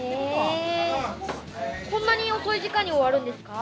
こんなに遅い時間に終わるんですか？